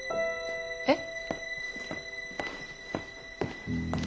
えっ？